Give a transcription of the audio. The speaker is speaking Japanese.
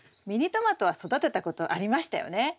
ミニトマトは育てたことありましたよね？